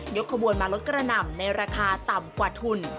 ขบวนมาลดกระหน่ำในราคาต่ำกว่าทุน